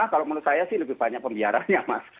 kalau menurut saya sih lebih banyak pembiarannya mas